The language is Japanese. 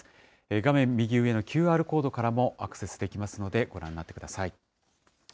画面右上のＱＲコードからもアクセスできますので、ご覧になってください。